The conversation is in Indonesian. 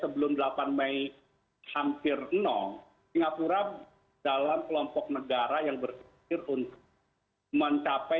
sebelum delapan mei hampir singapura dalam kelompok negara yang berpikir untuk mencapai